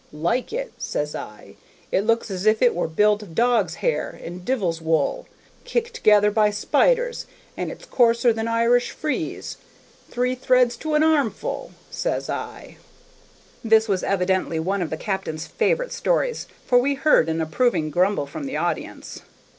'Like it?' says I, 'it looks as if it were built of dog's hair and divil's wool, kicked together by spiders; and it's coarser than Irish frieze; three threads to an armful,' says I." This was evidently one of the captain's favorite stories, for we heard an approving grumble from the audience.